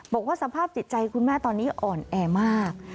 บอกว่าสภาพจิตใจคุณแม่ตอนนี้อ่อนแอมาก